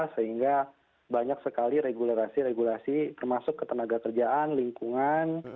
sehingga banyak sekali regulasi regulasi termasuk ketenaga kerjaan lingkungan